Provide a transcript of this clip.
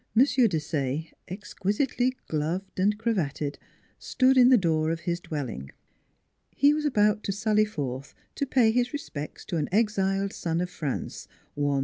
Desaye, exquisitely gloved and cravatted, stood in the door of his dwelling. He was about to sally forth to pay his respects to an exiled son of France, one M.